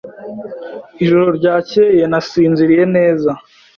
Ijoro ryakeye nasinziriye neza.